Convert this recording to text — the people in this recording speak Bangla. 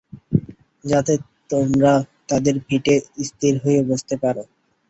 যাতে তোমরা তাদের পিঠে স্থির হয়ে বসতে পার।